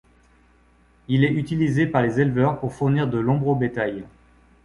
Il est utilisé par les éleveurs pour fournir de l’ombre au bétail.